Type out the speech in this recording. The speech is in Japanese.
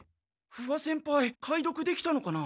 不破先輩解読できたのかな？